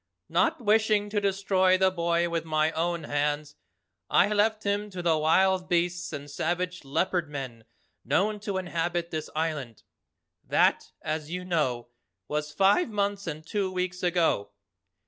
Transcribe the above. Not wishing to destroy the boy with my own hands, I left him to the wild beasts and savage Leopard Men known to inhabit this island. That, as you know, was five months and two weeks ago.